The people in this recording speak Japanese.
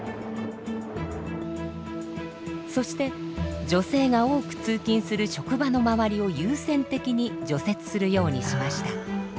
そして女性が多く通勤する職場の周りを優先的に除雪するようにしました。